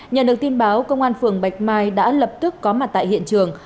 nhận được tin báo công an phường bạch mai đã lập tức có mặt tại hiện trường